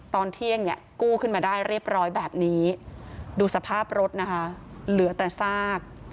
ตอนเที่ยงเนี่ยกู้ขึ้นมาได้เรียบร้อยแบบนี้ดูสภาพรถนะคะเหลือแต่ซาก